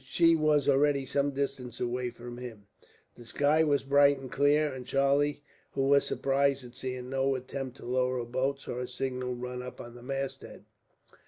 She was already some distance away from him. The sky was bright and clear, and Charlie, who was surprised at seeing no attempt to lower a boat, saw a signal run up to the masthead.